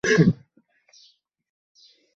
কারণ সঠিক ছিল না ভুল?